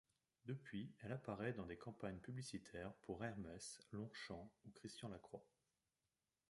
Depuis, elle apparaît dans des campagnes publicitaires pour Hermès, Longchamp ou Christian Lacroix.